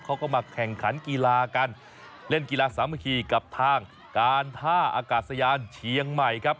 เขาก็มาแข่งขันกีฬากันเล่นกีฬาสามัคคีกับทางการท่าอากาศยานเชียงใหม่ครับ